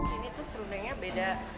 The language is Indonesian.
ini tuh serundengnya beda